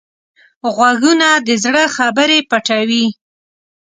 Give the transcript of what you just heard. غوږونه د زړه خبرې پټوي